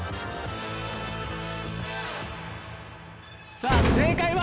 さぁ正解は。